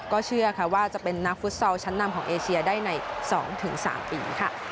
ก็เชื่อค่ะว่าจะเป็นนักฟุตซอลชั้นนำของเอเชียได้ใน๒๓ปีค่ะ